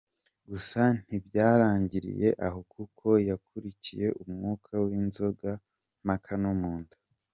Gusa ntibyarangiriye aho kuko yakurikiye umwuka w’inzoga mpaka no mu nda.